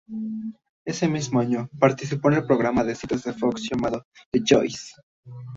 Ese mismo año, participó en el programa de citas de Fox llamado The Choice.